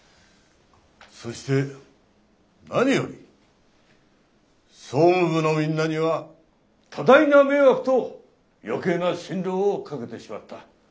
そして何より総務部のみんなには多大な迷惑と余計な心労をかけてしまった。